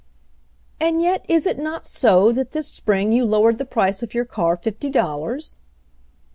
"And yet, is it not so that this spring* you lowr ered the price of your car fifty dollars?"